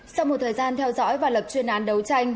sau một thời gian theo dõi và lập chuyên án đấu tranh